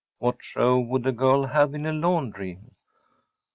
What show would a girl have in a laundry?